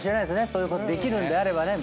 そういうことできるんであれば。